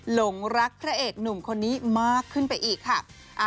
หลงรักพระเอกหนุ่มคนนี้มากขึ้นไปอีกค่ะ